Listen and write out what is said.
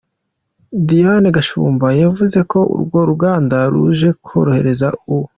Diyane Gashumba yavuze ko urwo ruganda ruje korohereza u .